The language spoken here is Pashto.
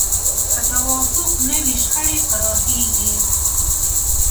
که توافق نه وي، شخړې پراخېږي.